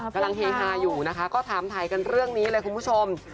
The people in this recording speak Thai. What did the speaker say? เฮฮาอยู่นะคะก็ถามถ่ายกันเรื่องนี้เลยคุณผู้ชม